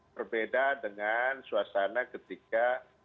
berbeda dengan suasana ketika